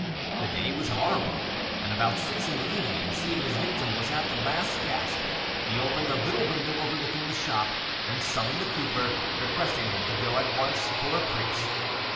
The day was horrible, and about six in the evening, seeing his victim was at the last gasp, he opened a little window overlooking the shop and summoned the cooper, requesting him to go at once for a priest.